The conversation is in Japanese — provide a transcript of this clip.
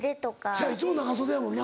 そやいつも長袖やもんな。